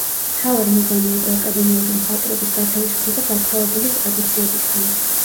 მთავარი მიზანი იყო აკადემიური მხატვრობის გათავისუფლება გაქვავებული ტრადიციებისგან.